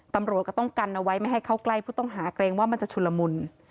ตำรวจก็ต้องกันเอาไว้ไม่ให้เข้าใกล้ผู้ต้องหาเกรงว่ามันจะชุนละมุน